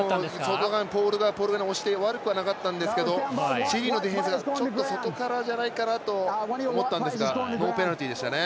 外側のポール側に押して悪くはなかったんですけどチリのディフェンスがちょっと外からじゃないかなと思ったんですがノーペナルティでしたね。